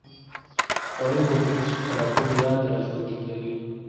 خوړل د دودیزو خوراکونو یاد راژوندي کوي